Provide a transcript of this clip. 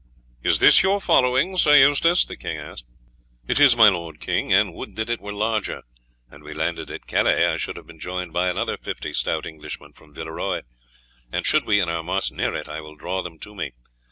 "Is this your following, Sir Eustace?" the king asked. "It is, my lord king, and would that it were larger. Had we landed at Calais I should have been joined by another fifty stout Englishmen from Villeroy, and should we in our marches pass near it I will draw them to me.